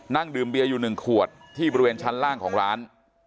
นั่งดื่มเบียร์อยู่๑ขวดที่บริเวณชั้นล่างของร้าน